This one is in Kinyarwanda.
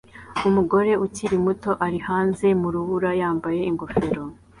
Umugore ukiri muto ari hanze mu rubura yambaye ingofero